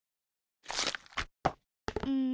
うん？